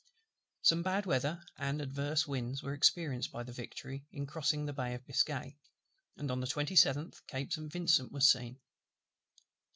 Some bad weather and adverse winds were experienced by the Victory in crossing the Bay of Biscay, and on the 27th Cape St. Vincent was seen.